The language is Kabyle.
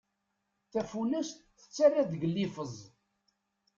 Tafunast tettarra deg liffeẓ.